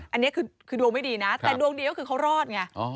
อันนี้คือดวงไม่ดีนะแต่ดวงดีก็คือเขารอดไง